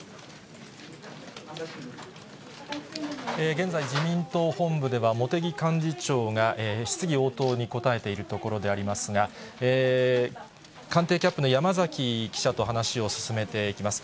現在、自民党本部では、茂木幹事長が質疑応答に答えているところでありますが、官邸キャップの山崎記者と話を進めていきます。